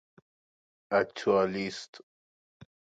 آکتوالیست